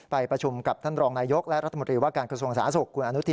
ไปประชุมกับท่านรองนายยกและรัฐมนตรีวิวาการคุณส่วนสถานศัศวกร์